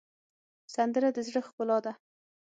سندره د زړه ښکلا ده